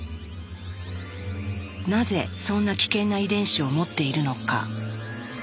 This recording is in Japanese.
なぜそんな危険な遺伝子を持っているのか。